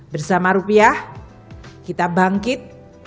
bersama rupiah kita bangkit